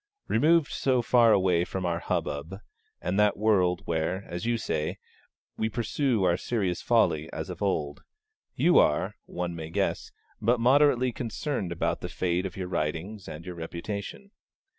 Removed so far away from our hubbub, and that world where, as you say, we 'pursue our serious folly as of old,' you are, one may guess, but moderately concerned about the fate of your writings and your reputation.